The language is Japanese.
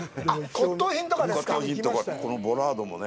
骨とう品とか、このボラードもね。